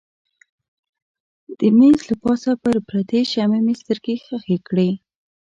د مېز له پاسه پر پرتې شمعې مې سترګې ښخې کړې.